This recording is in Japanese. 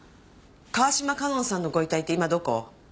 川島香音さんのご遺体って今どこ？